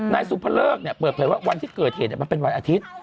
นายสุภเลิกเปิดเผยว่าวันที่เกิดเหตุมันเป็นวันอาทิตย์